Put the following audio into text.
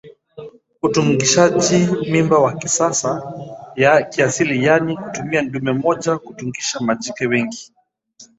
Utungishaji mimba wa kiasili yaani kutumia dume mmoja kutungisha majike wengi